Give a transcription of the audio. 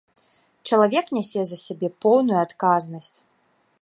Чалавек нясе за сябе поўную адказнасць.